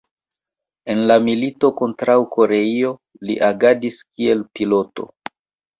En la milito kontraŭ Koreio li agadis kiel piloto.